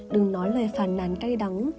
đừng nói lời phàn nàn cay đắng